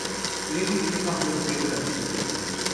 Lewis misma fue objeto de acusaciones.